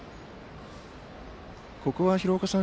ここは廣岡さん